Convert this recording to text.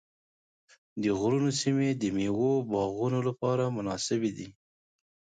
د غرونو سیمې د مېوو باغونو لپاره مناسبې دي.